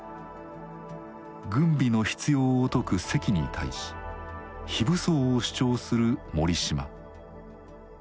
軍備の必要を説く関に対し非武装を主張する森嶋。